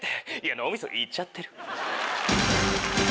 脳みそ行っちゃってる。